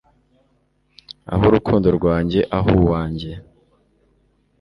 ah urukundo rwanjye ah uwanjye